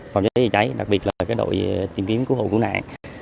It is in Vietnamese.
phòng giáo dịch cháy đặc biệt là đội tìm kiếm cứu hộ cứu nạn